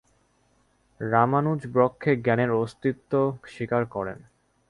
রামানুজ ব্রহ্মে জ্ঞানের অস্তিত্ব স্বীকার করেন।